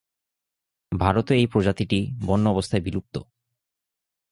ভারতে এই প্রজাতিটি বন্য অবস্থায় বিলুপ্ত।